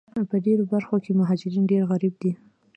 په ډېرو برخو کې مهاجرین ډېر غریب دي